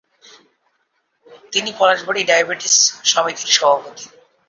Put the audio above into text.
তিনি পলাশবাড়ী ডায়াবেটিস সমিতির সভাপতি।